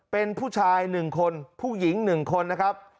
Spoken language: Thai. เป็นผู้ชาย๑คนผู้หญิง๑คนนะครับ